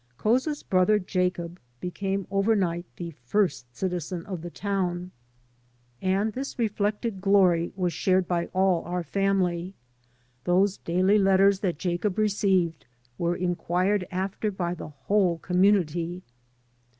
Couza's brother Jacob became overnight the first citizen of the town, and this reflected glory was 6 THE PROPHET FROM AMERICA shared by all our family. Those daily letters that Jacob received were inquired after by the whole com munity.